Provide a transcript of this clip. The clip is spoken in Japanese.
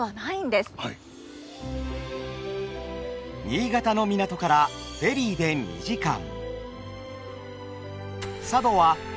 新潟の港からフェリーで２時間。